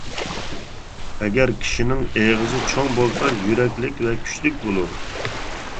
ئەگەر كىشىنىڭ ئېغىزى چوڭ بولسا، يۈرەكلىك ۋە كۈچلۈك بولۇر.